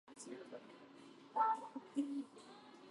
肩口を持った！